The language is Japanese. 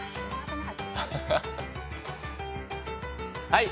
はい。